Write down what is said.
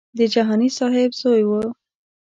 د جهاني صاحب زوی و.